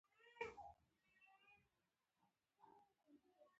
امیر شېر علي خان اعصاب له لاسه ورکړل.